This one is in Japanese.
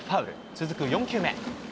続く４球目。